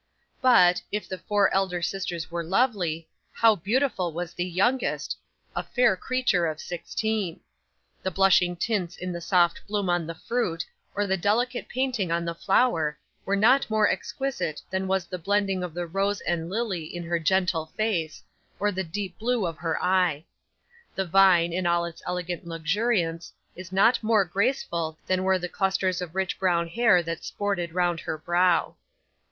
'But, if the four elder sisters were lovely, how beautiful was the youngest, a fair creature of sixteen! The blushing tints in the soft bloom on the fruit, or the delicate painting on the flower, are not more exquisite than was the blending of the rose and lily in her gentle face, or the deep blue of her eye. The vine, in all its elegant luxuriance, is not more graceful than were the clusters of rich brown hair that sported round her brow.